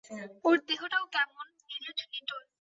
ওর দেহটাও কেমন নিরেট নিটোল।